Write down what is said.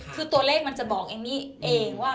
คือตัวเลขมันจะบอกเอมมี่เองว่า